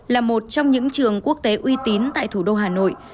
là một trong những trường quốc tế uy tín tại thủ đô hà nội